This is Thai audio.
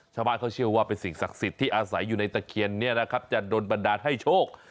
ชาวบ้านเขาเชื่อว่าเป็นสิ่งศักดิ์สิทธิ์ที่อาศัยอยู่ในตะเคียนเนี่ยนะครับจะโดนบันดาลให้โชค